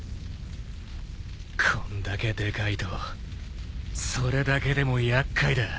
こんだけでかいとそれだけでも厄介だ。